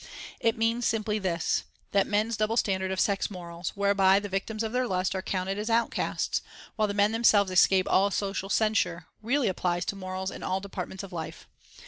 It means simply this, that men's double standard of sex morals, whereby the victims of their lust are counted as outcasts, while the men themselves escape all social censure, really applies to morals in all departments of life.